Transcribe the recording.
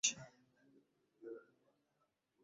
Umaskini na uharibifu wa mazingira ni watoto mapacha